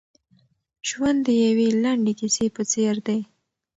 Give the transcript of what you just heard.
ژوند د یوې لنډې کیسې په څېر دی.